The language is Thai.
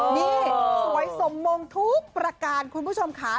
นี่สวยสมมงทุกประการคุณผู้ชมค่ะ